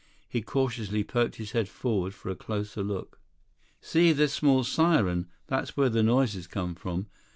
He cautiously poked his head forward for a closer look. "See this small siren? That's where the noises come from.